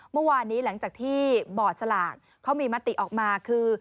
เมื่อวานนี้หลังจากที่บอร์ดสลากเขามีมติออกมาคือ